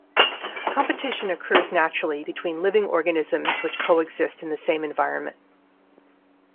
Competition occurs naturally between living organisms which co-exist in the same environment.